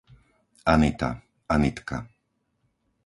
Anita, Anitka